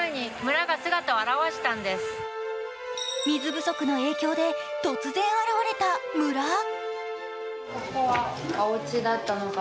水不足の影響で突然現れた村。